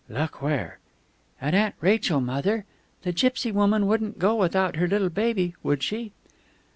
"Look where?" "At Aunt Rachel, mother ... The gipsy woman wouldn't go without her little baby, would she?"